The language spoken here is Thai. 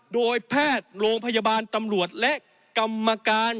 โดยแพทย์โรงพยาบาลตำรวจและกรรมการ